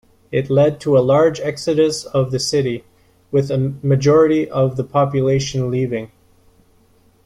It led to a large exodus of the city, with a majority of the population leaving.